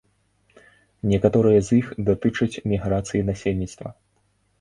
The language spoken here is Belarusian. Некаторыя з іх датычаць міграцыі насельніцтва.